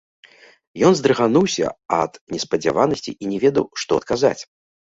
Ён здрыгануўся ад неспадзяванасці і не ведаў, што адказаць.